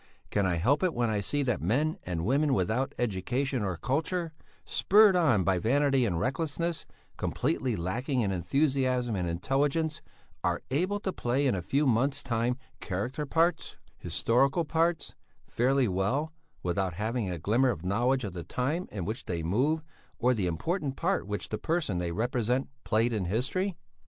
Can I help it when I see that men and women without education or culture, spurred on by vanity and recklessness, completely lacking in enthusiasm and intelligence are able to play in a few months' time character parts, historical parts, fairly well, without having a glimmer of knowledge of the time in which they move, or the important part which the person they represent played in history?